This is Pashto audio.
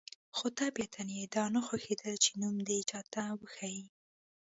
خو طبیعتاً یې دا نه خوښېدل چې نوم دې چاته وښيي.